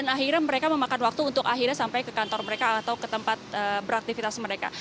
akhirnya mereka memakan waktu untuk akhirnya sampai ke kantor mereka atau ke tempat beraktivitas mereka